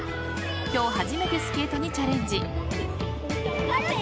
今日、初めてスケートにチャレンジ。